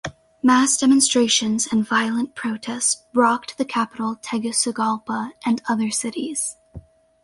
Mass demonstrations and violent protests rocked the capital Tegucigalpa and other cities.